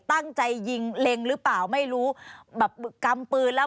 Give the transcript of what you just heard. ตั้งใจยิงเล็งหรือเปล่า